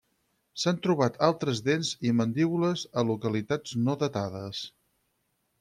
S'han trobat altres dents i mandíbules a localitats no datades.